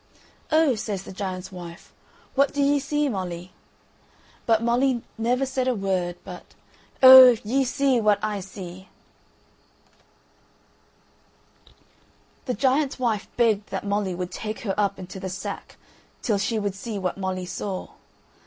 "Oh," says the giant's wife, "what do ye see, Molly?" But Molly never said a word but, "Oh, if ye saw what I see!" The giant's wife begged that Molly would take her up into the sack till she would see what Molly saw.